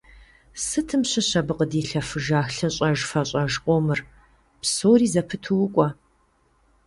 Сытым щыщыт абы къыдилъэфыжа лъыщӏэж-фэщӏэж къомыр… Псори зэпыту укӏуэ.